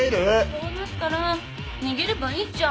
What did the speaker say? そうなったら逃げればいいじゃん。